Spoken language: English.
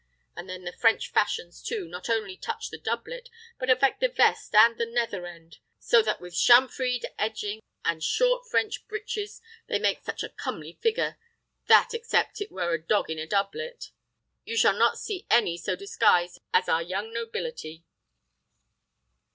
And then the French fashions, too, not only touch the doublet, but affect the vest and the nether end; so that, with chamfreed edging, and short French breeches, they make such a comely figure, that except it were a dog in a doublet, you shall not see any so disguised as our young nobility."